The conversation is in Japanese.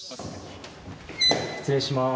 失礼します。